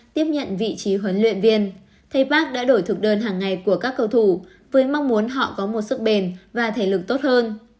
tiếp nhận vị trí huấn luyện viên thầy park đã đổi thực đơn hàng ngày của các cầu thủ với mong muốn họ có một sức bền và thể lực tốt hơn